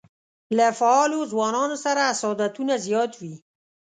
له فعالو ځوانانو سره حسادتونه زیات وي.